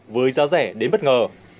với giá rẻ đến bất ngờ